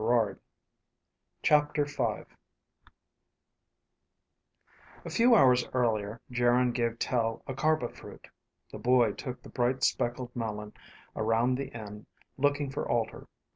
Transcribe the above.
CHAPTER V A few hours earlier, Geryn gave Tel a kharba fruit. The boy took the bright speckled melon around the inn, looking for Alter.